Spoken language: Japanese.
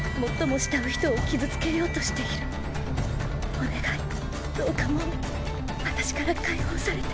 お願いどうかもう私から解放されて。